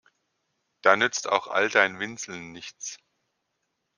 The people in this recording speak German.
Da nützt auch all dein Winseln nichts.